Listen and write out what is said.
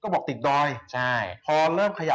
ก็บอกติดดรอย